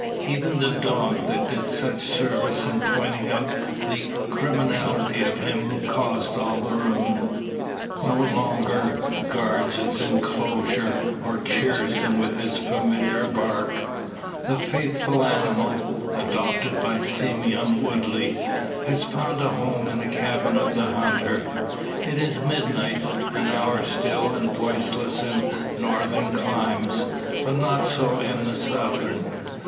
Even the dog, that did such service in pointing out the criminality of him who caused all the ruin, no longer guards its enclosures, or cheers them with his familiar bark. The faithful animal, adopted by Simeon Woodley, has found a home in the cabin of the hunter. It is midnight; an hour still and voiceless in Northern climes, but not so in the Southern.